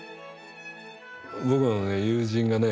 僕の友人がね